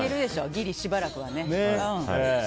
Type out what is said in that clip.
ギリしばらくはね。